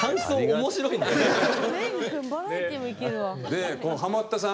でこのハマったさん